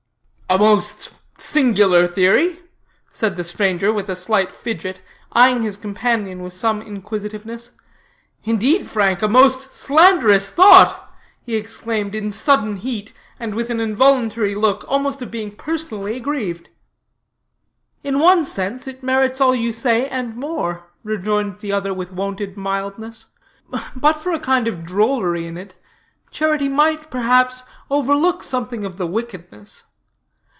'" "A most singular theory," said the stranger with a slight fidget, eying his companion with some inquisitiveness, "indeed, Frank, a most slanderous thought," he exclaimed in sudden heat and with an involuntary look almost of being personally aggrieved. "In one sense it merits all you say, and more," rejoined the other with wonted mildness, "but, for a kind of drollery in it, charity might, perhaps, overlook something of the wickedness.